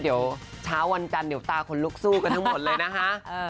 เดี๋ยวเช้าวันจันทร์เดี๋ยวตาคนลุกสู้กันทั้งหมดเลยนะคะ